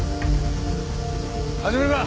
始めるか。